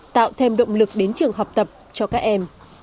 tạo thêm động lực đến trường học tập cho các em